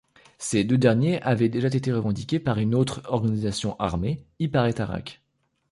Ces deux derniers avait déjà été revendiqués par une autre organisation armée, Iparretarrak.